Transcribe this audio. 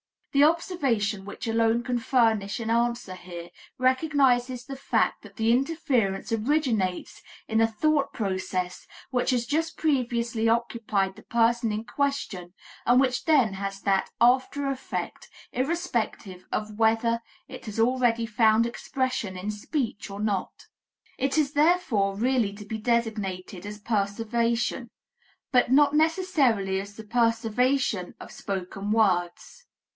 The observation which alone can furnish an answer here, recognizes the fact that the interference originates in a thought process which has just previously occupied the person in question and which then has that after effect, irrespective of whether it has already found expression in speech or not. It is therefore really to be designated as perseveration, but not necessarily as the perseveration of spoken words.